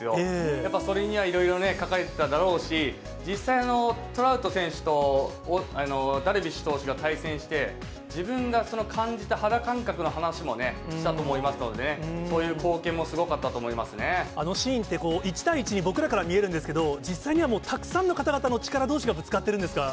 やっぱそれにはいろいろ書かれてただろうし、実際、トラウト選手とダルビッシュ投手が対戦して、自分が感じた肌感覚の話もしたと思いますのでね、そういう光景もあのシーンって、１対１に僕らから見えるんですけど、実際にはもう、たくさんの方々の力どうしがぶつかってるんですか？